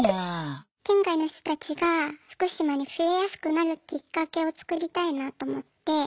県外の人たちが福島に触れやすくなるきっかけを作りたいなと思って。